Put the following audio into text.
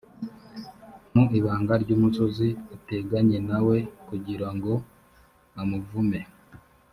mu ibanga ry’umusozi ateganye na we kugira ngo amuvume